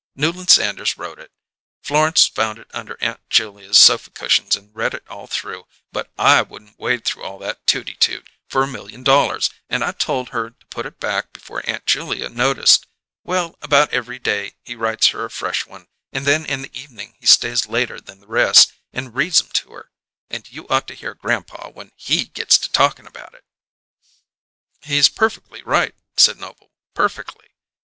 Newland Sanders wrote it. Florence found it under Aunt Julia's sofa cushions and read it all through, but I wouldn't wade through all that tooty tooty for a million dollars, and I told her to put it back before Aunt Julia noticed. Well, about every day he writes her a fresh one, and then in the evening he stays later than the rest, and reads 'em to her and you ought to hear grandpa when he gets to talkin' about it!" "He's perfectly right," said Noble. "Perfectly!